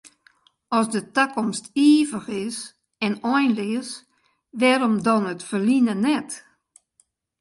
As de takomst ivich is en einleas, wêrom dan it ferline net?